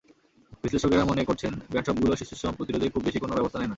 বিশ্লেষকেরা মনে করছেন, ব্র্যান্ড শপগুলো শিশুশ্রম প্রতিরোধে খুব বেশি কোনো ব্যবস্থা নেয় না।